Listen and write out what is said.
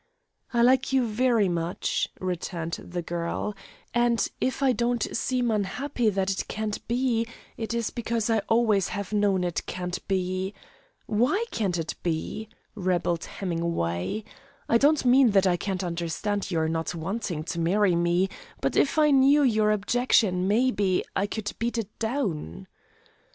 "I like you very much," returned the girl, "and, if I don't seem unhappy that it can't be, it is because I always have known it can't be " "Why can't it be?" rebelled Hemingway. "I don't mean that I can't understand your not wanting to marry me, but if I knew your objection, maybe, I could beat it down."